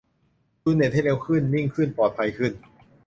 จูนเน็ตให้เร็วขึ้น นิ่งขึ้น ปลอดภัยขึ้น